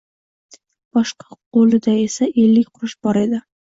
Boshqa ko'lida esa ellik qurush bor edi.